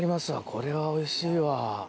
これはおいしいわ。